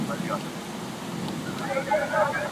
هغه څوک چي منډه وهي قوي کيږي!